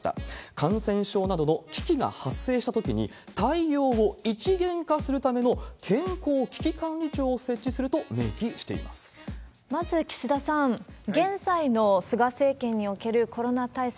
感染症などの危機が発生したときに、対応を一元化するための健康危機管理庁を設置すると明記していままず岸田さん、現在の菅政権におけるコロナ対策、